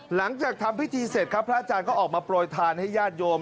หลังจากทำพิธีเสร็จครับพระอาจารย์ก็ออกมาโปรยทานให้ญาติโยม